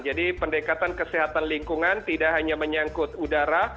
jadi pendekatan kesehatan lingkungan tidak hanya menyangkut udara